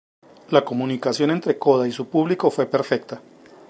La comunión entre Coda y su público fue perfecta.